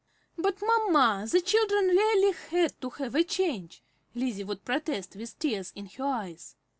"But, mamma, the children really had to have a change," Lizzie would protest, with tears in her eyes.